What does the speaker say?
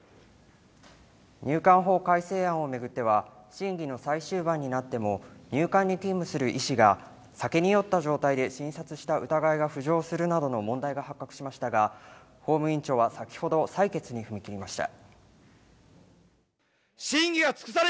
入管法改正案を巡っては、審議の最終盤になっても入管に勤務する医師が酒に酔った状態で診察した疑いが浮上するなどの問題が発覚しましたが、法務委員長は先ほど採決に踏み切りました。